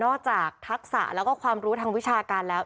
จากทักษะแล้วก็ความรู้ทางวิชาการแล้ว